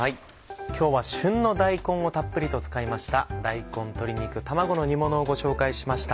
今日は旬の大根をたっぷりと使いました「大根鶏肉卵の煮もの」をご紹介しました。